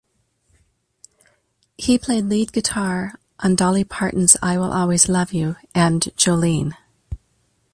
He played lead guitar on Dolly Parton's "I Will Always Love You" and "Jolene".